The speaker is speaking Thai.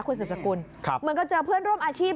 คุณสืบสกุลเหมือนกับเจอเพื่อนร่วมอาชีพ